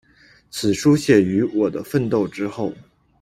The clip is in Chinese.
此书写于《我的奋斗》之后。